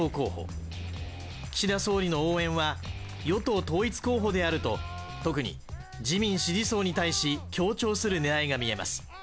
こちら総理の応援は与党統一候補であると特に自民支持層に対し強調するねらいが見えます